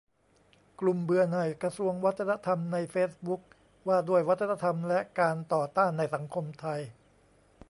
"กลุ่มเบื่อหน่ายกระทรวงวัฒนธรรมในเฟซบุ๊ก : ว่าด้วยวัฒนธรรมและการต่อต้านในสังคมไทย"